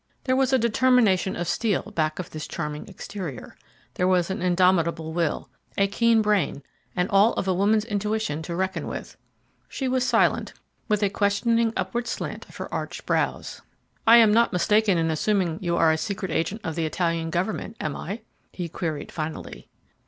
There was a determination of steel back of this charming exterior; there was an indomitable will, a keen brain, and all of a woman's intuition to reckon with. She was silent, with a questioning upward slant of her arched brows. "I am not mistaken in assuming that you are a secret agent of the Italian government, am I?" he queried finally.